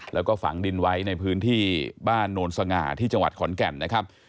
แล้วก็ฝังดินไว้ในพื้นที่บ้านโนนสง่าที่จังหวัดขอนแก่นนะครับ